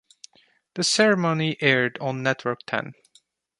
The ceremony aired on Network Ten.